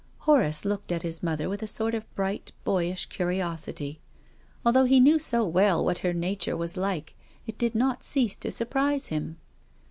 Horace looked at his mother with a sort of bright, boyish curiosity. Although he knew so well what her nature was like, it did not cease to surprise him.